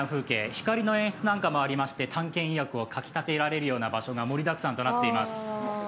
光の演出なんかもありまして、探検意欲をかき立てられるような場所が盛りだくさんとなっています。